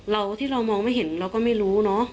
ที่เราที่เรามองไม่เห็นเราก็ไม่รู้เนอะ